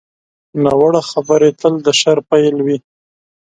ناوړه خبرې تل د شر پیل وي